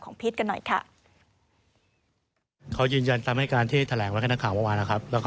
ของพีชกันหน่อยค่ะ